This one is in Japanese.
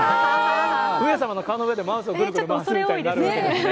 上様の顔の上で、マウスをぐるぐる回すみたいになるわけですね。